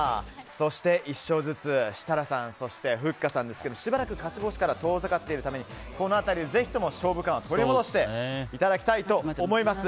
そして、１勝ずつ設楽さん、ふっかさんですがしばらく勝ち星から遠ざかっているためにこの辺りでぜひとも勝負勘を取り戻していただきたいと思います。